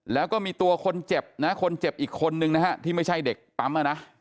แล้วก็มีตัวคนเจ็บคนเจ็บอีกคนนึงที่ไม่ใช่เด็กปั๊ม